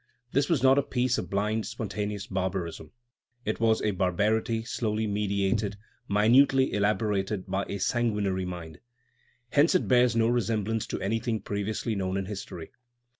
This was not a piece of blind, spontaneous barbarism; it was a barbarity slowly meditated, minutely elaborated by a sanguinary mind. Hence it bears no resemblance to anything previously known in history.